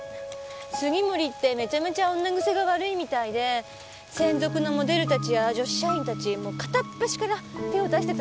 杉森ってめちゃめちゃ女癖が悪いみたいで専属のモデル達や女子社員達にもう片っ端から手を出してたらしいのね。